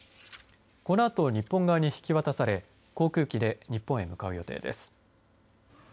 このあと日本側に引き渡され航空機で日本へ向かう予定です。